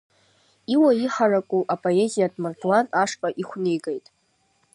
Иуа иҳараку апоезиатә мардуан ашҟа ихәнигеит.